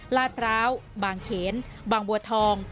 ลาดพร้าวบางเขนบางบัวทอง